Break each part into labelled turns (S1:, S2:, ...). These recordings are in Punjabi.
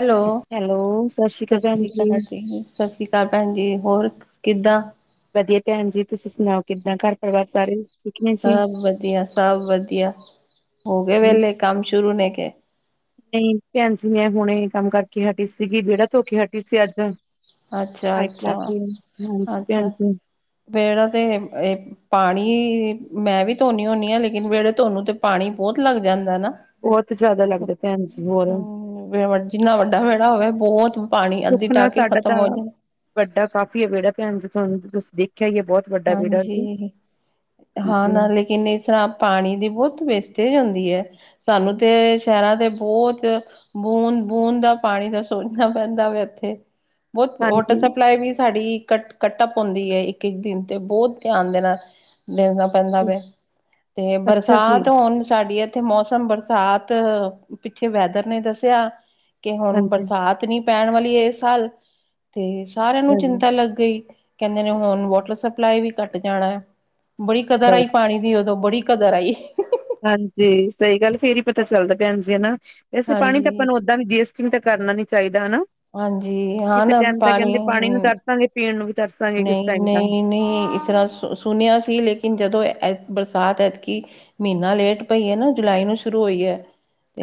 S1: ਹੈਲੋ,
S2: ਹੈਲੋ ਸ਼੍ਰੀ ਅਕਾਲ
S1: ਸਤਿ
S2: ਭੈਣ
S1: ਸ੍ਰੀ ਅਕਾਲ ਜੀ, ਸਤਿ ਸ਼੍ਰੀ ਅਕਾਲ ਸਤਿ ਸ੍ਰੀ ਅਕਾਲ ਭੈਣ ਜੀ ਹੋਰ ਕਿੱਦਾਂ
S2: ਵਧੀਆ ਭੈਣ ਜੀ ਤੁਸੀਂ ਸੁਣਾਓ ਕਿੱਦਾਂ ਘਰ ਪਰਿਵਾਰ ਸਾਰੇ ਠੀਕ ਨੇ ਜੀ
S1: ਸਭ ਵਧੀਆ ਸਭ ਵਧੀਆ ਹੋ ਗਏ
S2: ਜੀ
S1: ਵਿਹਲੇ ਕੰਮ ਸ਼ੁਰੂ ਹੋਣੇ ਕੇ
S2: ਹੁਣ ਇਹ ਕੰਮ ਕਰਕੇ ਹਟੀ ਸੀਗੀ ਵਿਹੜਾ ਧੋ ਕੇ ਹੱਟੀ ਸੀ ਅੱਜ
S1: ਅੱਛਾ ਅੱਛਾ ਅੱਛਾ
S2: [unintelligible]
S1: ਵਿਹੜਾ ਤੇ ਇਹ ਪਾਣੀ ਮੈਂ ਵੀ ਧੋਨੀ ਹੁੰਦੀ ਆ ਲੇਕਿਨ ਵਿਹੜਾ ਧੋਣ ਚ ਤੇ ਪਾਣੀ ਬਹੁਤ ਲੱਗ ਜਾਂਦਾ ਨਾ
S2: ਬਹੁਤ ਜ਼ਿਆਦਾ ਲਗ
S1: ਕਿੰਨਾ ਵੱਡਾ ਵਿਹੜਾ ਹੋਵੇ ਬਹੁਤ ਪਾਣੀ ਅੱਧੀ
S2: ਸੁੱਖ
S1: ਢਾ
S2: ਨਾਲ
S1: ਕੇ
S2: ਸਾਡਾ
S1: ਖਤਮ ਹੋ ਜਾਏ
S2: ਵੱਡਾ ਕਾਫੀ ਹੈ ਵਿਹੜਾ ਭੈਣ ਜੀ ਤੁਹਾਨੂੰ ਤੁਸੀਂ ਦੇਖਿਆ ਹੀ ਬਹੁਤ ਵੱਡਾ ਵਿਹੜਾ ਜੀ
S1: ਹਾਂਜੀ, ਹਾਂ
S2: ਹਾਂਜੀ
S1: ਨਾ ਲੇਕਿਨ ਇਸ ਤਰਾਂ ਪਾਣੀ ਦੀ ਬਹੁਤ ਵੇਸਟਜ ਹੁੰਦੀ ਹੈ ਸਾਨੂੰ ਤੇ ਸ਼ਹਿਰਾਂ ਦੇ ਬਹੁਤ ਬੂੰਦ-ਬੂੰਦ ਦਾ ਪਾਣੀ ਦਾ ਸੋਚਾ ਪੈਂਦਾ ਇਥੇ ਬਹੁਤ ਵਾਟਰ
S2: ਹਾਂਜੀ
S1: ਸਪਲਾਈ ਵੀ ਸਾਡੀ ਕਟਪ ਹੁੰਦੀ ਹੈ ਇੱਕ-ਇੱਕ ਤੇ ਬਹੁਤ ਧਿਆਨ ਦੇਣਾ ਪੈਦਾ ਪਿਆ ਤੇ
S2: ਅੱਛਾ ਜੀ
S1: ਬਰਸਾਤ ਹੁਣ ਸਾਡੀ ਤੇ ਮੌਸਮ ਬਰਸਾਤ, ਪਿੱਛੇ ਵੈਦਰ ਨੇ ਦੱਸਿਆ ਕਿ ਹੁਣ
S2: ਹਾਂਜੀ
S1: ਬਰਸਾਤ ਨਹੀਂ ਪੈਣ ਵਾਲੀ ਇਸ ਸਾਲ, ਤੇ ਸਾਰਿਆਂ ਨੂੰ
S2: ਅੱਛਾ ਜੀ
S1: ਚਿੰਤਾ ਲੱਗ ਗਈ ਕਹਿੰਦੇ ਨੇ ਹੁਣ ਵਾਟਰ ਸਪਲਾਈ ਵੀ ਘੱਟ ਜਾਣਾ ਬੜੀ ਕਦਰ
S2: ਬਸ
S1: ਆਈ ਪਾਣੀ ਦੀ ਉਦੋਂ ਬੜੀ ਕਦਰ ਆਈ
S2: ਹਾਂਜੀ, ਸਹੀ ਗੱਲ ਫਿਰ ਹੀ ਪਤਾ ਚੱਲਦਾ ਭੈਣਜੀ ਹਨਾ, ਵੈਸੇ ਪਾਣੀ ਤਾਂ
S1: ਹਾਂਜੀ
S2: ਆਪਾਂ ਨੂੰ ਸਾਨੂੰ ਵੇਸਟ ਤੇ ਕਰਨਾ ਨਹੀਂ ਚਾਹੀਦਾ ਹਨਾ
S1: ਹਾਂਜੀ,
S2: ਕਿਸੇ
S1: ਹੁਣ
S2: ਟਾਈਮ ਤਾਂ
S1: ਪਾਣੀ
S2: ਕਹਿੰਦੇ ਨੂੰ ਪੀਣ ਨੂੰ ਵੀ ਦਰਸਾ
S1: ਨਹੀਂ -ਨਹੀਂ ਇਸ ਤਰਾਂ ਸੁਣਿਆ ਸੀ ਲੇਕਿਨ ਜਦੋਂ ਬਰਸਾਤ ਐਤਕੀ ਮਹੀਨਾ ਲੇਟ ਪਈ ਨਾ ਜੁਲਾਈ ਨੂੰ ਸ਼ੁਰੂ ਹੋਈ ਹੈ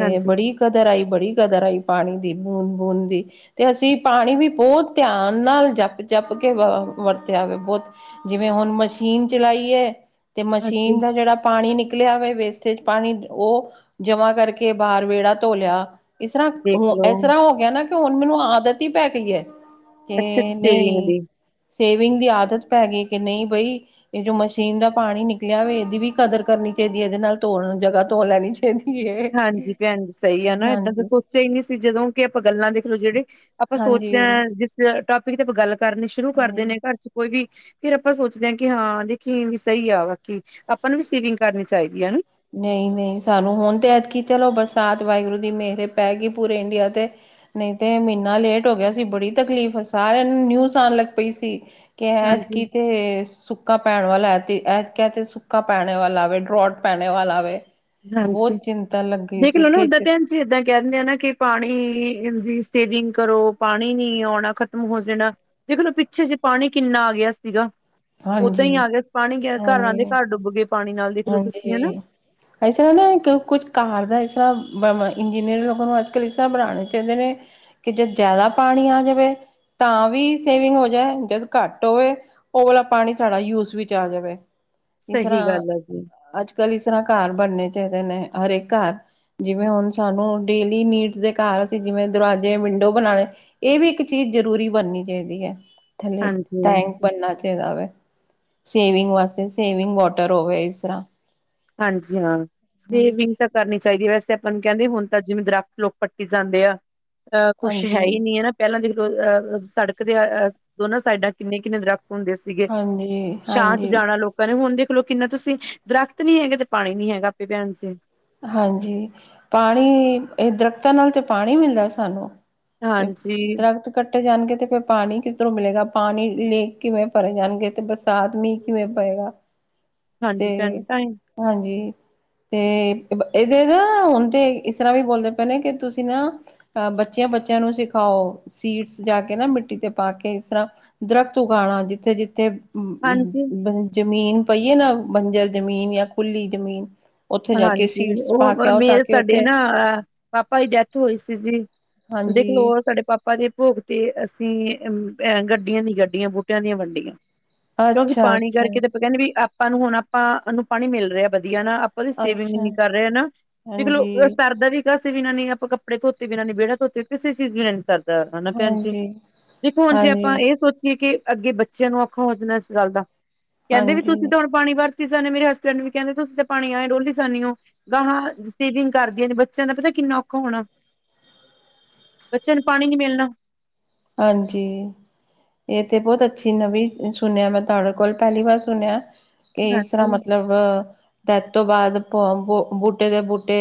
S2: ਹਾਂਜੀ
S1: ਕਦਰ ਆਈ ਬੜੀ ਕਦਰ ਆਈ ਪਾਣੀ ਦੀ ਬੂੰਦ -ਬੂੰਦ ਤੇ ਅਸੀਂ ਪਾਣੀ ਵੀ ਬਹੁਤ ਧਿਆਨ ਨਾਲ ਜਪ-ਜਪ ਕੇ ਵਰਤਿਆ ਬਹੁਤ ਜਿਵੇ ਮਸ਼ੀਨ ਚਲਾਈ ਏ ਤੇ ਮਸ਼ੀਨ
S2: ਹਾਂਜੀ
S1: ਦਾ ਜਿਹੜਾ ਪਾਣੀ ਨਿਕਲਿਆ ਵੇਸਟੇਜ ਪਾਣੀ ਉਹ ਜਮਾ ਕਰਕੇ ਬਾਹਰ ਵਿਹੜਾ ਧੋ ਲਿਆ। ਇਸ ਤਰਾਂ
S2: ਦੇਖਲੋ
S1: ਇਸ ਤਰਾਂ ਹੋ ਗਿਆ ਨਾ ਕਿ ਹੁਣ ਮੈਨੂੰ ਆਦਤ ਹੀ ਪੈ ਗਈ ਹੈ।
S2: ਅੱਛਾ ਜੀ
S1: ਕਿ
S2: ਸੇਵਿੰਗ
S1: ਨਹੀਂ
S2: ਦੀ
S1: ਸੇਵਿੰਗ ਦੀ ਆਦਤ ਪੈ ਗਈ ਕਿ ਨਹੀਂ ਬਈ। ਇਹ ਜੋ ਮਸ਼ੀਨ ਦਾ ਪਾਣੀ ਨਿਕਲਿਆ ਹੋਵੇ ਇਹਦੀ ਵੀ ਕਦਰ ਕਰਨੀ ਚਾਹੀਦੀ ਹੈ ਇਹਦੇ ਨਾਲ ਧੋਣ ਜਗ੍ਹਾ ਧੋ ਲੈਣੀ ਚਾਹੀਦੀ। ਦੀ ਹੈ।
S2: ਹਾਂਜੀ ਭੈਣ ਜੀ ਸਹੀ ਆ ਨਾ ਏਦਾਂ ਦਾ
S1: ਹਾਂਜੀ,
S2: ਸੋਚਿਆ ਹੀ ਨਹੀਂ ਸੀ ਜਦੋਂ ਕਿ ਆਪਾਂ ਗੱਲਾਂ ਦੇਖ ਲੋ ਜਿਹੜੇ ਆਪਾਂ ਸੋਚਦੇ
S1: ਹਾਂਜੀ,
S2: ਹਾਂ ਜਿਸ ਟੋਪਿਕ ਤੇ ਆਪਾਂ ਗੱਲ ਕਰਨੀ ਸ਼ੁਰੂ ਕਰਦੇ
S1: ਹਾਂਜੀ।
S2: ਨੇ ਘਰ 'ਚ ਕੋਈ ਵੀ ਫੇਰ ਆਪਾਂ ਸੋਚਦੇ ਹਾਂ ਕਿ ਹਾਂ ਦੇਖੀ ਵੀ ਸਹੀ ਆ ਬਾਕੀ ਆਪਾਂ ਨੂੰ ਵੀ ਸੇਵਿੰਗ ਕਰਨੀ ਚਾਹੀਦੀ ਹੈ ਹਨਾ।
S1: ਨਹੀਂ- ਨਹੀਂ ਸਾਨੂੰ ਹੁਣ ਤੇ ਐਤਕੀ ਚਲੋ ਬਰਸਾਤ ਵਾਹਿਗੁਰੂ ਦੀ ਮਿਹਰ ਪੈ ਗਈ ਪੂਰੇ ਇੰਡੀਆ ਤੇ ਨਹੀਂ ਤੇ ਮਹੀਨਾ ਲੇਟ ਹੋ ਗਿਆ ਸੀ ਬੜੀ ਤਕਲੀਫ਼ ਸਾਰਿਆਂ ਨੂੰ ਨਿਊਜ਼ ਆਉਣ ਲੱਗ ਪਈ ਸੀ। ਕਿ ਐਦਕੀ
S2: ਹਾਂਜੀ
S1: ਤੇ ਸੁੱਕਾ ਪੈਣ ਵਾਲਾ ਤੇ ਤੇ ਸੁੱਕਾ ਪੈਣ ਵਾਲਾ ਆ ਡਰੋਟ ਪੈਣੇ ਵਾਲਾ ਵੇ ਬਹੁਤ ਚਿੰਤਾ ਲੱਗੀ ਸੀ। ਖੇਤ
S2: ਸੀ ਕਹਿੰਦੇ ਕਹਿ ਦਿੰਦੇ ਆ ਨਾ ਕਿ ਪਾਣੀ ਦੀ ਸੇਵਿੰਗ ਕਰੋ। ਪਾਣੀ ਨੀ ਆਉਣਾ ਖਤਮ ਹੋ ਜਾਣਾ। ਜਦੋਂ ਦਾ ਪਿੱਛੇ ਜਿਹੇ ਪਾਣੀ ਕਿੰਨਾ ਆ ਗਿਆ ਸੀਗਾ। ਓਦਾਂ
S1: ਹਾਂਜੀ,
S2: ਹੀ ਆ ਗਿਆ ਪਾਣੀ ਘਰਾਂ ਦੇ
S1: ਹਾਂਜੀ,
S2: ਘਰ ਡੁੱਬ ਗਏ ਪਾਣੀ ਨਾਲ ਦੇਖ ਲੋ ਤੁਸੀਂ ਹਨਾ।
S1: ਹਾਂਜੀ। ਇਸ ਤਰ੍ਹਾਂ ਨਾ ਕੁਛ ਘਰ ਦਾ ਇਸ ਤਰ੍ਹਾਂ ਇੰਜੀਨੀਅਰ ਲੋਕਾਂ ਨੂੰ ਅੱਜ ਕੱਲ੍ਹ ਇਸ ਤਰ੍ਹਾਂ ਬਣਾਉਣੇ ਚਾਹੀਦੇ ਨੇ। ਕਿ ਜਦ ਜ਼ਿਆਦਾ ਪਾਣੀ ਆ ਜਾਵੇ ਤਾਂ ਵੀ ਸੇਵਿੰਗ ਹੋ ਜਾਏ ਜਦੋਂ ਘੱਟ ਹੋਵੇ। ਉਹ ਵਾਲਾ ਪਾਣੀ ਸਾਡਾ ਯੂਜ ਵਿੱਚ ਆ ਜਾਵੇ ਜਿਸ
S2: ਸਹੀ
S1: ਤਰ੍ਹਾਂ
S2: ਗੱਲ ਹੈ ਜੀ
S1: ਅੱਜ ਕੱਲ ਇਸ ਤਰਾਂ ਘਰ ਬਣਨੇ ਚਾਹੀਦੇ ਨੇ ਹਰੇਕ ਘਰ ਜਿਵੇਂ ਹੁਣ ਸਾਨੂੰ ਡੇਲੀ ਨੀਡਸ ਦੇ ਘਰ ਅਸੀਂ ਜਿਵੇਂ ਦਰਵਾਜੇ ਵਿੰਡੋ ਬਣਾਉਣੇ। ਇਹ ਵੀ ਇੱਕ ਚੀਜ਼ ਜ਼ਰੂਰੀ ਬਣਨੀ ਚਾਹੀਦੀ ਹੈ ਥੱਲੇ
S2: ਹਾਂਜੀ
S1: ਟੈਂਕ ਬਣਨਾ। ਜਾਵੇ ਸੇਵਿੰਗ ਵਾਸਤੇ ਸੇਵਿੰਗ ਵਾਟਰ ਹੋਵੇ ਇਸ ਤਰ੍ਹਾਂ
S2: ਹਾਂਜੀ ਹਾਂ ਸੇਵਿੰਗ ਤਾਂ ਕਰਨੀ ਚਾਹੀਦੀ ਹੈ ਵੈਸੇ ਆਪਾਂ ਨੂੰ ਕਹਿੰਦੇ ਹੁਣ ਤਾਂ ਜਿਵੇਂ ਦਰਖਤ। ਲੋਕ ਪੱਟੀ ਜਾਂਦੇ ਆ ਅਹ ਕੁੱਛ ਹੈ ਹੀ
S1: ਹਾਂਜੀ
S2: ਨੀ ਹੈ ਨਾ। ਪਹਿਲਾਂ ਦੇਖ ਲੋ ਅਹ ਸੜਕ ਦੇ ਦੋਨਾਂ ਸਾਈਡਾਂ ਕਿੰਨੇ- ਕਿੰਨੇ ਦਰਖ਼ਤ ਹੁੰਦੇ ਸੀ।
S1: ਹਾਂਜੀ
S2: ਛਾਂ 'ਚ
S1: ਹਾਂਜੀ
S2: ਜਾਣਾ ਲੋਕ ਪਰ ਹੁਣ ਦੇਖ ਲੋ ਕਿੰਨਾ ਤੁਸੀਂ ਦਰਖ਼ਤ ਨੀ ਹੈਗੇ ਤੇ ਪਾਣੀ ਨੀ ਹੈਗਾ ਆਪੇ [inaudible]
S1: ਹਾਂਜੀ, ਪਾਣੀ ਇਹ ਦਰਖਤਾਂ ਨਾਲ ਤੇ ਪਾਣੀ ਮਿਲਦਾ ਸਾਨੂੰ। ਤੇ
S2: ਹਾਂਜੀ,
S1: ਦਰਖਤ ਕੱਟ ਜਾਣਗੇ ਤੇ ਫਿਰ ਪਾਣੀ ਕਿਧਰੋਂ ਮਿਲੇਗਾ ਪਾਣੀ ਲੇਕ ਕਿਵੇਂ ਭਰੇ ਜਾਣਗੇ ਤੇ ਬਰਸਾਤ ਮੀਂਹ ਕਿਵੇਂ ਪਏਗਾ। ਤੇ
S2: ਹਾਂਜੀ ਭੈਣ ਜੀ ਤਾਂ ਹੀ
S1: ਹਾਂਜੀ ਤੇ ਇਹਦੇ ਨਾ ਹੁਣ ਤੇ ਇਸ ਤਰ੍ਹਾਂ ਵੀ ਬੋਲਦੇ ਪਏ ਨੇ ਕਿ ਤੁਸੀਂ ਨਾ। ਬੱਚਿਆਂ -ਬੱਚਿਆਂ ਨੂੰ ਸਿਖਾਓ ਸੀਡਸ ਜਾ ਕੇ ਨਾ ਮਿੱਟੀ 'ਤੇ ਪਾ ਕੇ ਇਸ ਤਰ੍ਹਾਂ ਦਰਖਤ ਉਗਾਉਣਾ ਜਿੱਥੇ- ਜਿੱਥੇ
S2: ਹਾਂਜੀ,
S1: ਜ਼ਮੀਨ ਪਈ ਏ ਨਾ ਬੰਜਰ ਜ਼ਮੀਨ ਜਾਂ ਖੁੱਲੀ ਜ਼ਮੀਨ ਉੱਥੇ ਜਾ ਕੇ
S2: ਜ
S1: ਸੀਡਸ ਪਾ ਕੇ
S2: ਉਹ
S1: ਆਓ ਤਾਂ
S2: ਮੇਲ
S1: ਕਿ
S2: ਸਾਡੇ
S1: ਉੱਥੇ
S2: ਨਾ। ਹ ਪਾਪਾ ਦੀ ਡੈਥ ਹੋਈ ਸੀ ਦੇਖ ਲੋ
S1: ਹਾਂਜੀ
S2: ਹੋਰ ਸਾਡੇ ਪਾਪਾ ਆਪਾਂ ਦੇ ਭੋਗ ਤੇ ਅਸੀਂ ਅ ਗੱਡੀਆਂ ਦੀ ਗੱਡੀਆਂ ਬੂਟਿਆਂ ਦੀਆਂ ਵੰਡੀਆਂ। ਕਿਉਂਕਿ
S1: ਅੱਛਾ
S2: ਪਾਣੀ
S1: ਅੱਛਾ
S2: ਕਰਕੇ ਤੇ ਆਪਾਂ ਕਹਿੰਦੇ ਵੀ ਆਪਾਂ ਨੂੰ ਹੁਣ ਆਪਾਂ ਨੂੰ ਪਾਣੀ ਮਿਲ ਰਿਹਾ ਵਧੀਆ ਨਾ। ਆਪਦੀ ਸੇਵਿੰਗ
S1: ਅੱਛਾ
S2: ਨੀ ਕਰ ਰਹੇ ਨਾ ਦੇਖ
S1: ਹਾਂਜੀ
S2: ਲਓ ਸਰਦਾ ਵੀ ਕਿਸੇ ਬਿਨਾ ਆਪਾਂ ਕੱਪੜੇ ਧੋਤੇ ਬਿਨਾਂ ਨੇ ਵਿਹੜਾ ਧੋਤੇ ਵੀ ਕਿਸੇ ਚੀਜ਼ ਬਿਨਾਂ ਨੀ ਸਰ ਤਾਂ ਹਨਾ ਭੈਣ ਜੀ
S1: ਹਾਂਜੀ
S2: ਦੇਖੋ ਹੁਣ ਜੇ
S1: ਹਾਂਜੀ
S2: ਆਪਾਂ ਇਸ ਸੋਚੀਏ ਕਿ ਅੱਗੇ ਬੱਚਿਆਂ ਨੂੰ ਔਖਾ ਹੋ ਜਾਣਾ ਇਸ ਗੱਲ ਦਾ ਕਹਿੰਦੇ ਵੀ
S1: ਹਾਂਜੀ
S2: ਤੁਸੀਂ ਤਾਂ ਹੁਣ ਪਾਣੀ ਵਰਤੀ ਸੇ ਮੇਰੇ ਹਸਬੈਂਡ ਵੀ ਕਹਿੰਦੇ ਤੁਸੀਂ ਤੇ ਪਾਣੀ ਆਏ ਡੋਲੀ ਜਾਨੀਉ ਗਾਹਾਂ ਸੇਵਿੰਗ ਕਰਦੀਆਂ ਬੱਚਿਆਂ ਦਾ ਪਤਾ ਕਿੰਨਾ ਔਖਾ ਹੋਣਾ। ਬੱਚਿਆਂ ਨੂੰ ਪਾਣੀ ਨੀ ਮਿਲਣਾ।
S1: ਹਾਂਜੀ ਇਹ ਤੇ ਬਹੁਤ ਅੱਛੀ ਨਵੀਂ ਸੁਣਿਆ ਮੈਂ ਤੁਹਾਡੇ ਕੋਲ ਪਹਿਲੀ ਵਾਰ ਸੁਣਿਆ। ਇਸ ਤਰ੍ਹਾਂ
S2: ਹਾਂਜੀ
S1: ਮਤਲਬ ਡੈਥ ਤੋਂ ਬਾਅਦ ਬੂਟੇ ਦੇ ਬੂਟੇ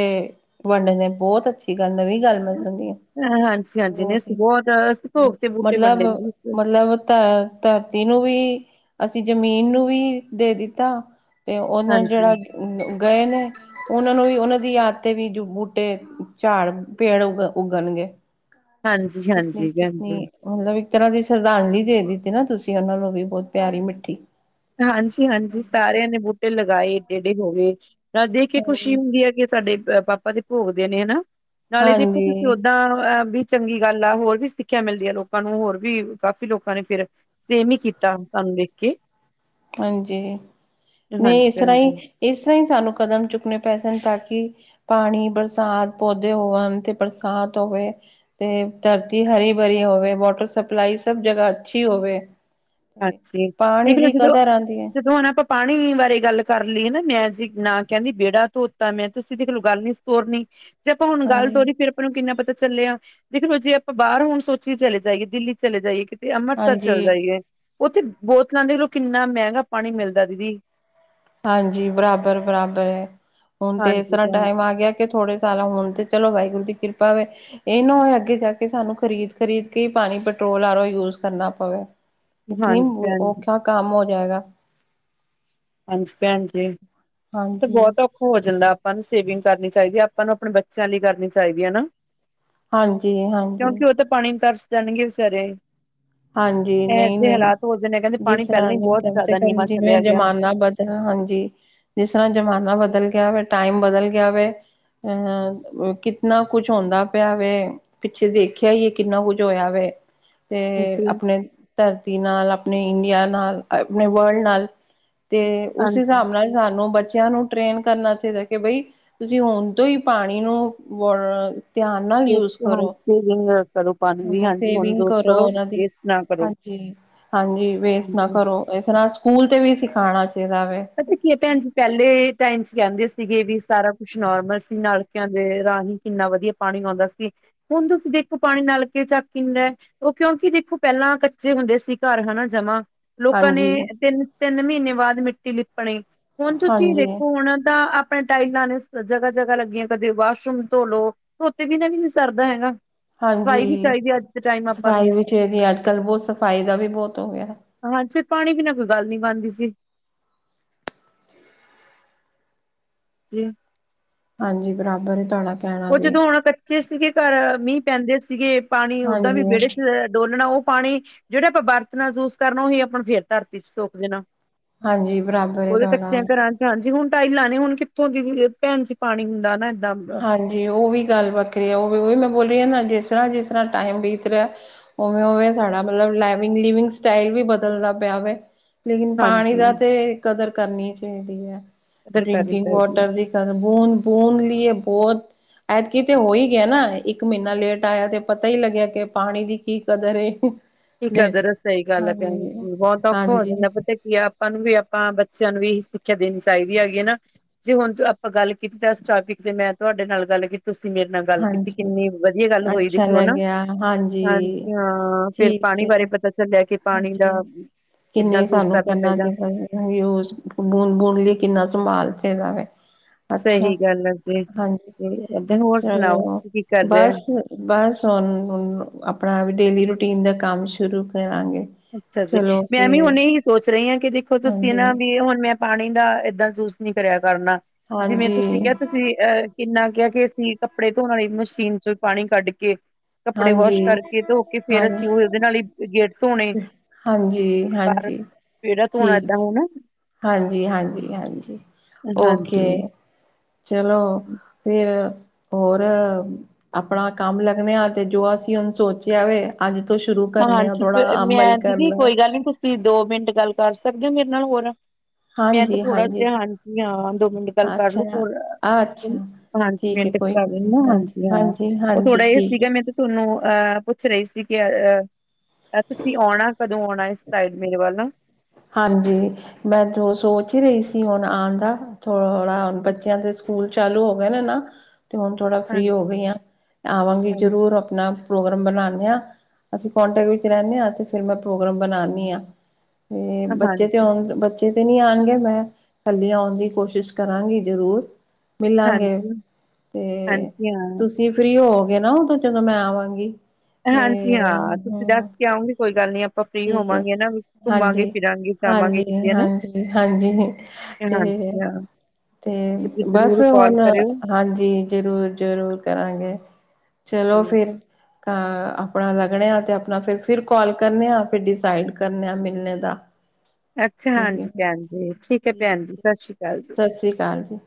S1: ਵੰਡਦੇ ਬਹੁਤ ਅੱਛੀ ਗੱਲ ਨਵੀਂ ਗੱਲ ਮੈਂ ਸੁਣੀ
S2: ਹ ਹਾਂਜੀ- ਹਾਂਜੀ ਨੇ ਬਹੁਤ ਅਸੀਂ ਭੋਗ ਤੇ ਬੂਟੇ
S1: ਮਤਲਬ
S2: ਵੰਡੇ ਨੇ ਜੀ
S1: ਮਤਲਬ [unintelligible] ਧਰਤੀ ਨੂੰ ਵੀ, ਅਸੀਂ ਜ਼ਮੀਨ ਨੂੰ ਵੀ ਦੇ ਦਿੱਤਾ ਤੇ ਉਹਨਾਂ ਜਿਹੜਾ
S2: ਹਾਂਜੀ
S1: ਗਏ ਨੇ ਉਹਨਾਂ ਨੂੰ ਵੀ ਉਹਨਾਂ ਦੀ ਯਾਦ ਤੇ ਵੀ ਬੂਟੇ ਝਾੜ ਪੇੜ ਉਗ ਉੱਗਣਗੇ
S2: ਹਾਂਜੀ-
S1: ਕਿਤਨੀ
S2: ਹਾਂਜੀ ਭੈਂਣਜੀ
S1: ਕਿਤਨੀ ਮਤਲਬ ਇੱਕ ਤਰ੍ਹਾਂ ਦੀ ਸ਼ਰਧਾਂਜਲੀ ਦੇ ਦਿੱਤੀ ਨਾ ਤੁਸੀਂ ਉਹਨਾਂ ਨੂੰ ਵੀ ਬਹੁਤ ਪਿਆਰੀ ਮਿੱਠੀ
S2: ਹਾਂਜੀ -ਹਾਂਜੀ ਸਾਰਿਆਂ ਨੇ ਬੂਟੇ ਲਗਾਏ ਏਡੇ- ਏਡੇ ਹੋ ਗਏ ਦੇਖ ਕੇ ਖੁਸ਼ੀ
S1: ਹਾਂਜੀ,
S2: ਹੁੰਦੀ ਹੈ ਕਿ ਸਾਡੇ ਪਾਪਾ ਦੇ ਭੋਗ ਦੇ ਨੇ ਹਨਾ ਨਾਲੇ ਦੇਖੋ ਤੁਸੀਂ
S1: ਹਾਂਜੀ,
S2: ਓਦਾਂ ਅ ਬੀ ਚੰਗੀ ਗੱਲ ਆ, ਹੋਰ ਵੀ ਸਿੱਖਿਆ ਮਿਲਦੀ ਹੈ ਲੋਕਾਂ ਨੂੰ ਹੋਰ ਵੀ ਕਾਫੀ ਲੋਕਾਂ ਨੇ ਫਿਰ ਸੇਮ ਹੀ ਕੀਤਾ ਸਾਨੂੰ ਵੇਖ ਕੇ
S1: ਹਾਂਜੀ ਨਹੀਂ
S2: ਹਾਂਜੀ
S1: ਇਸ ਤਰਾਂ
S2: ਭੈਣ
S1: ਹੀ
S2: ਜੀ
S1: ਇਸ ਹੀ ਸਾਨੂੰ ਕਦਮ ਚੁੱਕਣੇ ਪੈ ਸਨ ਤਾਂ ਕਿ ਪਾਣੀ ਬਰਸਾਤ ਪੌਦੇ ਹੋਣ ਤੇ ਬਰਸਾਤ ਹੋਵੇ ਤੇ ਧਰਤੀ ਹਰੀ ਭਰੀ ਹੋਵੇ ਵਾਟਰ ਸਪਲਾਈ ਸਭ ਜਗ੍ਹਾ ਅੱਛੀ ਹੋਵੇ
S2: ਹਾਂਜੀ।
S1: ਪਾਣੀ ਦੀ
S2: [inaudible] [inaudible]
S1: ਕਦਰ ਆਂਦੀ ਹੈ,
S2: ਪਾਣੀ ਬਾਰੇ ਗੱਲ ਕਰ ਲਈਏ ਨਾ ਮੈਂ ਜੇ ਨਾ ਕਹਿੰਦੀ ਵਿਹੜਾ ਧੋਤਾ ਮੈਂ ਤੁਸੀਂ ਦੇਖਲੋ ਗੱਲ ਨੀ ਸੀ ਤੋਰਨੀ ਜੇ ਆਪਾਂ ਹੁਣ ਗੱਲ
S1: ਹਾਂਜੀ,
S2: ਤੋਰੀ ਫਿਰ ਆਪਾਂ ਨੂੰ ਕਿੰਨਾ ਪਤਾ ਚੱਲਿਆ, ਦੇਖਲੋ ਜੇ ਆਪਾਂ ਬਾਹਰ ਹੋਣ ਸੋਚੀ ਚਲੇ ਜਾਈਏ ਦਿੱਲੀ ਚਲੇ ਜਾਈਏ ਤੇ ਅੰਮ੍ਰਿਤਸਰ ਚੱਲ
S1: ਹਾਂਜੀ।
S2: ਜਾਈ ਹੈ ਉੱਥੇ ਬੋਤਲਾਂ ਦੇਖਲੋ ਕਿੰਨਾ ਮਹਿੰਗਾ ਪਾਣੀ ਮਿਲਦਾ ਦੀਦੀ
S1: ਹਾਂਜੀ ਬਰਾਬਰ- ਬਰਾਬਰ ਹੈ ਹੁਣ ਤੇ ਇਸ
S2: ਹਾਂਜੀ
S1: ਤਰ੍ਹਾਂ
S2: ਭੈਣ
S1: ਟਾਈਮ
S2: ਜੀ
S1: ਆ ਗਿਆ ਥੋੜੇ ਸਾਲਾਂ ਹੋਣ ਤੇ ਚਲੋ ਵਾਹਿਗੁਰੂ ਦੀ ਕਿਰਪਾ ਵੇ ਇਹਨੂੰ ਅੱਗੇ ਜਾ ਕੇ ਸਾਨੂੰ ਖਰੀਦ -ਖਰੀਦ ਕੇ ਪਾਣੀ ਪੈਟਰੋਲ ਆ ਯੂਜ ਕਰਨਾ ਪਵੇ ਇਤਨੀ
S2: ਹਾਂਜੀ ਭੈਣ ਜੀ
S1: ਔਖਾ ਕੰਮ ਹੋ ਜਾਏਗਾ
S2: ਹਾਂਜੀ ਭੈਣ ਜੀ ਇਹ ਤਾਂ
S1: ਹਾਂਜੀ
S2: ਬਹੁਤ ਔ ਹੋ ਜਾਂਦਾ ਆਪਾਂ ਨੂੰ ਸੇਵਿੰਗ ਕਰਨੀ ਚਾਹੀਦੀ ਆਪਾਂ ਨੂੰ ਆਪਣੇ ਬੱਚਿਆਂ ਲਈ ਕਰਨੀ ਚਾਹੀਦੀ ਹੈ ਨਾ
S1: ਹਾਂਜੀ- ਹਾਂਜੀ
S2: ਕਿਉਂਕਿ ਉਹ ਤਾਂ ਪਾਣੀ ਨੂੰ ਤਰਸ ਜਾਣਗੇ ਵਿਚਾਰੇ
S1: ਹਾਂਜੀ
S2: ਇਹੋ
S1: ਨਹੀਂ-
S2: ਜਿਹੇ
S1: ਨਹੀਂ
S2: ਹਾਲਾਤ ਹੋ ਜਾਣੇ ਕਹਿੰਦੇ
S1: ਜਿਸ
S2: ਪਾਣੀ ਪਹਿਲਾਂ
S1: ਤਰਾਂ
S2: ਹੀ ਬਹੁਤ
S1: ਕਮ ਸੇ
S2: ਜ਼ਿਆਦਾ
S1: ਕਮ
S2: ਨੀਵਾਂ
S1: ਜਿਵੇਂ
S2: ਚਲਿਆ ਗਿਆ
S1: ਜ਼ਮਾਨਾ ਬਦ ਤੇ ਹਾਂ ਹਾਂਜੀ ਜਿਸ ਤਰ੍ਹਾਂ ਜ਼ਮਾਨਾ ਬਦਲ ਗਿਆ ਵੇ ਟਾਈਮ ਬਦਲ ਗਿਆ ਵੇ ਅਹ ਕਿਤਨਾ ਕੁਛ ਹੁੰਦਾ ਪਿਆ ਵੇ ਪਿੱਛੇ ਦੇਖਿਆ ਹੀ ਏ ਕਿੰਨਾ ਕੁੱਝ ਹੋਇਆ ਵੇ ਤੇ
S2: ਹਾਂਜੀ,
S1: ਆਪਣੇ ਧਰਤੀ ਨਾਲ, ਆਪਣੇ ਇੰਡੀਆ ਨਾਲ, ਆਪਣੇ ਵਲਡ ਨਾਲ ਤੇ ਉਸ
S2: ਹਾਂਜੀ।
S1: ਹਿਸਾਬ ਨਾਲ ਸਾਨੂੰ ਬੱਚਿਆਂ ਨੂੰ ਟ੍ਰੇਨ ਕਰਨਾ ਚਾਹੀਦਾ ਕਿ ਬਈ ਤੁਸੀਂ ਹੁਣ ਤੋਂ ਹੀ ਪਾਣੀ ਨੂੰ ਬ
S2: ਸੇਵਿ ਹਾਂਜੀ ਸੇਵਿੰਗ ਕਰੋ ਪਾਣੀ ਦੀ
S1: ਹਮ
S2: ਹਾਂਜੀ ਹੁਣ
S1: ਸੇਵਿੰਗ
S2: ਜੋ
S1: ਕਰੋ ਉਹਨਾਂ ਦੀ,
S2: ਵੇਸਟ ਨਾ ਕਰੋ।
S1: ਹਾਂਜੀ -ਹਾਂਜੀ ਵੇਸਟ ਨਾ
S2: ਹਾਂਜੀ।
S1: ਕਰੋ ਇਸ ਨਾਲ ਸਕੂਲ ਤੇ ਵੀ ਸਿਖਾਣਾ ਚਾਹੀਦਾ ਵੇ
S2: ਪਤਾ ਕੀ ਹੈ ਭੈਣ ਜੀ, ਪਹਿਲੇ ਟਾਈਮ ਚ ਕਹਿੰਦੇ ਸੀਗੇ ਵੀ ਸਾਰਾ ਕੁਛ ਨੋਰਮਲ ਸੀ ਨਾਲ ਕਹਿੰਦੇ ਰਾਹੀਂ ਕਿੰਨਾ ਵਧੀਆ ਪਾਣੀ ਆਉਂਦਾ ਸੀ ਹੁਣ ਤੁਸੀਂ ਦੇਖੋ ਪਾਣੀ ਨਲਕੇ ਚੱਕ ਕਿੰਨਾ ਉਹ ਕਿਉਂਕਿ ਦੇਖੋ ਪਹਿਲਾਂ ਕੱਚੇ ਹੁੰਦੇ ਸੀ ਘਰ ਹਨਾ ਜਮਾ ਲੋਕਾਂ ਨੇ
S1: ਹਾਂਜੀ
S2: ਤਿੰਨ- ਤਿੰਨ ਮਹੀਨੇ ਬਾਅਦ ਮਿੱਟੀ ਲਿਪਣੀ, ਹੁਣ ਤੁਸੀਂ
S1: ਹਾਂਜੀ
S2: ਦੇਖੋ ਹੁਣ ਤਾਂ ਆਪਣੇ ਟਾਈਲਾਂ ਨੇ ਜਗ੍ਹਾ- ਜਗ੍ਹਾ ਲੱਗੀਆਂ ਕਦੇ ਵਾਸ਼ਰੂਮ ਧੋ ਲੋ ਧੋਤੇ ਬਿਨਾ ਵੀ ਨੀ ਸਰਦਾ ਹੈਗਾ ਸਫਾਈ ਵੀ
S1: ਹਾਂਜੀ,
S2: ਚਾਹੀਦੀ ਅੱਜ ਦੇ ਟਾਈਮ ਆਪਾਂ ਨੂੰ
S1: ਸਫ਼ਾਈ ਵੀ ਚਾਹੀਦੀ ਅੱਜ ਕੱਲ ਬਹੁਤ ਸਫ਼ਾਈ ਦਾ ਵੀ ਬਹੁਤ ਹੋ ਗਿਆ
S2: ਹਾਂਜੀ ਫਿਰ ਪਾਣੀ ਬਿਨਾਂ ਕੋਈ ਗੱਲ ਨੀ ਬਣਦੀ ਸੀ ਜੀ।
S1: ਹਾਂਜੀ ਬਰਾਬਰ ਏ [unintelligible]
S2: ਉਹ ਜਦੋਂ ਹੁਣ ਕੱਚੇ ਸੀਗੇ ਘਰ, ਮੀਂਹ ਪੈਂਦੇ ਸੀਗੇ ਪਾਣੀ ਉਦਾਂ ਵੀ
S1: ਹਾਂਜੀ
S2: ਵਿਹੜੇ ਚ' ਡੋਲਣਾ ਉਹ ਪਾਣੀ ਜਿਹੜਾ ਆਪਾਂ ਵਰਤਨਾ ਯੂਸ ਕਰਨਾ ਉਹੀ ਆਪਾਂ ਫਿਰ ਧਰਤੀ ਚ ਸੋਂਕ ਦੇਣਾ।
S1: ਹਾਂਜੀ ਬਰਾਬਰ ਹੈ
S2: ਉਹਦੇ
S1: ਤੁਹਾਡਾ
S2: ਕੱਚਿਆਂ ਘਰਾਂ ਚ ਹਾਂਜੀ, ਹੁਣ ਟਾਈਲਾਂ ਨੇ ਹੁਣ ਕਿੱਥੋਂ ਦੀ ਵੀ ਭੈਣ ਚ' ਪਾਣੀ ਹੁੰਦਾ ਨਾ ਏਦਾਂ ਦਾਂ।
S1: ਹਾਂਜੀ, ਉਹ ਵੀ ਗੱਲ ਵੱਖਰੀ ਹੈ ਉਹ ਵੀ ਉਹ ਵੀ ਮੈਂ ਬੋਲੀ ਰਈ ਹਾਂ ਨਾ ਜਿਸਰ੍ਹਾਂ-ਜਿਸਰ੍ਹਾਂ ਟਾਈਮ ਬੀਤ ਰਿਹਾ ਉਵੇ -ਉਵੇ ਸਾਡਾ ਮਤਲਬ ਲੈਵਿਗ -ਲਿਵਿੰਗ ਸਟਾਈਲ ਵੀ ਬਦਲਦਾ ਪਿਆਵੇ। ਲੇਕਿਨ, ਪਾਣੀ ਦਾ
S2: ਹਾਂਜੀ
S1: ਤੇ ਕਦਰ ਕਰਨੀ ਚਾਹੀਦੀ ਏ,
S2: ਕਦਰ ਕਰਨੀ
S1: ਡਿ੍ੰਕਿੰਗ
S2: ਚਾਹੀਦੀ ਹੈ
S1: ਵਾਟਰ ਦੀ। ਬੂੰਦ ਬੂੰਦ ਲੀਏ ਬਹੁਤ ਐਤਕੀਂ ਤੇ ਹੋ ਹੀ ਗਿਆ ਨਾ ਇੱਕ ਮਹੀਨਾ ਲੇਟ ਆਇਆ ਤੇ ਪਤਾ ਹੀ ਲੱਗਿਆ ਕਿ ਪਾਣੀ ਦੀ ਕੀ ਕਦਰ ਏ।
S2: ਕੀ
S1: ਲੇ
S2: ਕਦਰ ਏ ਸਹੀ ਗੱਲ ਹੈ, ਭੈਣ
S1: ਹਾਂਜੀ
S2: ਜੀ ਬਹੁਤ ਔਖਾ ਹੋ
S1: ਹਾਂਜੀ
S2: ਜਾਂਦਾ ਪਤਾ ਕੀ ਹੈ ਆਪਾਂ ਨੂੰ ਵੀ ਆਪਾਂ ਬੱਚਿਆਂ ਨੂੰ ਵੀ ਇਹੀ ਸਿੱਖਿਆ ਦੇਣੀ ਚਾਹੀਦੀ ਹੈਗੀ ਆ ਨਾ। ਜੇ ਹੁਣ ਤੋ ਆਪਾਂ ਗੱਲ ਕੀਤਾ ਇਸ ਟੋਪਿਕ ਤੇ ਮੈਂ ਤੁਹਾਡੇ ਨਾਲ ਗੱਲ ਕੀਤੀ ਤੁਸੀਂ ਮੇਰੇ ਨਾਲ ਗੱਲ ਕੀਤੀ
S1: ਹਾਂਜੀ
S2: ਕਿੰਨੀ ਵਧੀਆਂ ਗੱਲ ਹੋਈ ਦੇਖ
S1: ਅੱਛਾ
S2: ਲਓ ਨਾ
S1: ਲੱਗਿਆ
S2: ਹਾਂਜੀ ਹਾਂ ਫਿਰ
S1: ਠੀਕ
S2: ਪਾਣੀ ਬਾਰੇ
S1: ਹੈ
S2: ਪਤਾ ਚੱਲਿਆ ਕਿ, ਪਾਣੀ ਦਾ
S1: ਹਾਂਜੀ
S2: ਕਿੱਦਾਂ ਯੂਸ ਕਰਨਾ ਚਾਹੀਦਾਂ।
S1: [inaudible] ਬੁੰਦ- ਬੁੰਦ ਲਈ ਕਿੰਨਾ ਸੰਭਾਲ [unintelligible] ਅੱਛਾ
S2: ਸਹੀ ਗੱਲ ਏ ਜੀ
S1: ਹਾਂਜੀ
S2: [unintelligible] ਹੋਰ ਸੁਣਾਓ
S1: ਚਲੋ
S2: ਕੀ ਕਰ ਰਿਆ।
S1: ਬਸ ਬਸ ਹੁਣ-ਹੁਣ ਆਪਣਾ ਡੇਲੀ ਰੂਟੀਨ ਦਾ ਕੰਮ ਸ਼ੁਰੂ ਕਰਾਂਗੇ।
S2: ਅੱਛਾ ਜੀ।
S1: ਚਲੋ
S2: ਮੈਂ
S1: ਫਿਰ
S2: ਵੀ ਹੁਣ ਇਹੀ ਸੋਚ ਰਹੀ ਹਾਂ, ਕਿ ਦੇਖੋ ਤੁਸੀਂ
S1: ਹਾਂਜੀ
S2: ਨਾ ਵੀ ਹੁਣ ਮੈਂ ਪਾਣੀ ਦਾ ਏਦਾਂ ਯੂਜ ਨਹੀਂ ਕਰਿਆ ਕਰਨਾ ਜਿਵੇਂ ਤੁਸੀਂ
S1: ਹਾਂਜੀ
S2: ਕਿਹਾ ਅ ਅਹ ਕਿੰਨਾ ਕਿਹਾ ਕਿ, ਅਸੀਂ ਕੱਪੜੇ ਧੋਣ ਵਾਲੀ ਮਸ਼ੀਨ ਚ' ਪਾਣੀ ਕੱਢ ਕੇ ਕੱਪੜੇ ਵਾਸ਼
S1: ਹਾਂਜੀ
S2: ਕਰਕੇ ਧੋ ਕੇ ਫੇਰ, ਅਸੀਂ
S1: ਹਾਂਜੀ
S2: ਉਹ ਉਹਦੇ ਨਾਲ ਹੀ ਗੇਟ ਧੋਣੇ।
S1: ਹਾਂਜੀ
S2: ਬਾਹਰ
S1: -ਹਾਂਜੀ
S2: ਵਿਹੜਾ ਧੋਣਾ
S1: ਠੀਕ
S2: ਏਦਾਂ
S1: ਹੈ।
S2: ਹੋਣਾ
S1: ਹਾਂਜੀ -ਹਾਂਜੀ-ਹਾਂਜੀ ਓਕੇ।
S2: ਹਾਂਜੀ।
S1: ਚਲੋ, ਫੇਰ, ਹੋਰ ਆਪਣਾ ਕੰਮ ਲੱਗਣੇ ਅ ਤੇ ਜੋ ਅਸੀਂ ਹੁਣ ਸੋਚਿਆ ਵੇ ਅੱਜ ਤੋਂ ਸ਼ੁਰੂ ਕਰਨੇ ਆ
S2: ਹਾਂਜੀ
S1: ਥੋੜਾ
S2: ਪ-
S1: ਅਮਲ
S2: ਮੈਂ ਦੀਦੀ
S1: ਕਰਨਾ।
S2: ਕੋਈ ਗੱਲ ਨੀ ਤੁਸੀਂ ਦੋ ਮਿੰਟ ਗੱਲ ਕਰ ਸਕਦੇ ਹੋ ਮੇਰੇ ਨਾਲ ਹੋਰ। ਮੈਂ ਤੇ
S1: ਹਾਂਜੀ
S2: ਥੋੜਾ
S1: ਹਾਂਜੀ
S2: ਜੇਹਾ ਹਾਂ ਜੀ ਹਾਂ ਦੋ ਮਿੰਟ ਗੱਲ ਕਰ ਲੋ
S1: ਅੱਛਾ
S2: ਹੋਰ
S1: ਅੱਛਾ
S2: [inaudible] ਹਾਂਜੀ
S1: ਠੀਕ ਹੈ
S2: ਮਿਟ
S1: ਕੋਈ
S2: ਕਰ
S1: ਗੱਲ ਨਹੀਂ
S2: ਲੈਨੇ ਹਾਂਜੀ ਹਾਂ ਉਹ ਥੋੜਾ
S1: ਹਾਂਜੀ
S2: ਇਹ
S1: ਠੀਕ ਹੈ
S2: ਸੀਗਾ ਮੈਨ ਤੁਹਾਨੂੰ ਅਹ ਪੁੱਛ ਰਹੀ ਸੀ, ਕਿ ਅ-ਅ ਤੁਸੀਂ ਆਉਣਾ ਕਦੋਂ ਆਉਣਾ ਇਸ ਸਾਈਡ ਮੇਰੇ ਵੱਲ?
S1: ਹਾਂਜੀ, ਮੈਂ ਤੋਂ ਸੋਚ ਹੀ ਰਹੀ ਸੀ ਹੁਣ ਆਉਣ ਦਾ ਥੋ ਥੋੜਾ ਹੁਣ ਬੱਚਿਆਂ ਦੇ ਸਕੂਲ ਚਾਲੂ ਹੋ ਗਏ ਨੇ ਨਾ ਤੇ ਹੁਣ ਥੋੜ੍ਹਾ ਫ੍ਰੀ ਹੋ
S2: ਹਾਂਜੀ
S1: ਗਈਆਂ ਆਵਾਂਗੀ
S2: ਹਾਂਜੀ
S1: ਜ਼ਰੂਰ ਆਪਣਾ ਪ੍ਰੋਗਰਾਮ ਬਣਾਨੇ ਆ ਅਸੀਂ ਪੋਂਟੇਂ ਵਿੱਚ ਰੇਨੈ ਆ ਤੇ ਫੇਰ ਮੈਂ ਪ੍ਰੋਗਰਾਮ ਬਣਾਂਣੀ ਆਂ। ਤੇ ਬੱਚੇ ਤੇ
S2: ਹਾਂਜੀ
S1: ਆਉਣ ਬੱਚੇ ਚੇ ਤੇ ਨੀ ਆਣਗੇ ਮੈਂ ਕੱਲੀ ਆਉਣ ਦੀ ਕੋਸ਼ਿਸ਼ ਕਰਾਂਗੀ ਜ਼ਰੂਰ। ਮਿਲਾਂਗੇ
S2: ਹਾਂਜੀ
S1: ਤੇ
S2: ਹਾਂਜੀ ਹਾਂ
S1: ਤੁਸੀਂ ਫ੍ਰੀ ਹੋਵੋਗੇ ਨਾ ਉਦੋਂ ਜਦੋਂ ਮੈਂ ਆਵਾਂਗੀ। ਤੇ
S2: ਹਾਂਜੀ ਹਾਂ, ਤੁਸੀਂ
S1: ਹੂੰ
S2: ਦੱਸ ਕੇ ਆਓਗੇ ਕੋਈ ਗੱਲ ਨੀ ਅ ਆਪਾਂ ਫ੍ਰੀ
S1: ਠੀਕ ਹੈ
S2: ਹੋਵਾਂਗੇ ਹਨਾ ਘੁੰਮਾਂਗੇ,
S1: ਹਾਂਜੀ
S2: ਫਿਰਾਂਗੇ, ਜਾਵਾਂਗੇ
S1: ਹਾਂਜੀ
S2: ਕਿਤੇ ਹੈਨਾ।
S1: ਹਾਂਜੀ ਹਾਂਜੀ ਤੇ
S2: ਹਾਂਜੀ ਹਾਂ।
S1: ਤੇ
S2: ਹਾਂਜੀ ਤੁਸੀਂ
S1: ਬਸ
S2: ਜ਼ਰੂਰ ਕਾਲ
S1: ਹੁਣ
S2: ਕਰਿਓ
S1: ਹਾਂਜੀ, ਜ਼ਰੂਰ- ਜ਼ਰੂਰ ਕਰਾਂਗੇ। ਚਲੋ
S2: ਜੀ
S1: ਫਿਰ, ਅਹ ਆਪਣਾ ਲੱਗਣੇ ਆ ਤੇ ਆਪਣਾ ਫਿਰ ਫਿਰ ਕਾਲ ਕਰਨੇ ਆ। ਫਿਰ ਡਿਸਾਈਡ ਕਰਨੇ ਆ ਮਿਲਣੇ ਦਾ।
S2: ਅੱਛਾ
S1: ਠੀਕ ਹੈ
S2: ਹਾਂਜੀ ਭੈਣ
S1: ਫਿਰ,
S2: ਜੀ ਹੈ ਭੈਣ ਜੀ
S1: ਠੀਕ ਏ,
S2: ਸਤਿ ਸ਼੍ਰੀ ਅਕਾਲ ਜੀ
S1: ਸਤਿ ਸ੍ਰੀ ਅਕਾਲ ਜੀ।